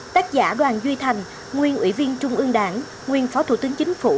tác giả đoàn duy thành nguyên ủy viên trung ương đảng nguyên phó thủ tướng chính phủ